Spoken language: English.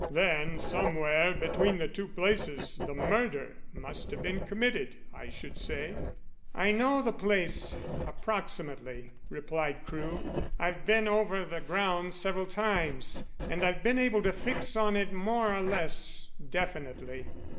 "Then somewhere between the two places the murder must have been committed, I should say." "I know the place approximately," replied Crewe. "I've been over the ground several times, and I've been able to fix on it more or less definitely."